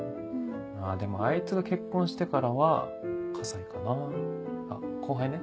あぁでもあいつが結婚してからは河西かな後輩ね。